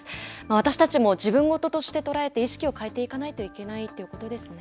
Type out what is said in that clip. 私たちも自分事として捉えて、意識を変えていかないといけないということですね。